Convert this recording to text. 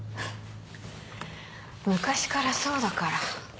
昔からそうだから。